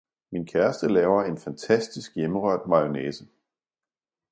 Min kæreste laver en fantastisk hjemmerørt mayonnaise.